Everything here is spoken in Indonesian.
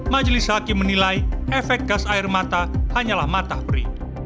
majelis hakim menilai efek gas air mata hanyalah mata peri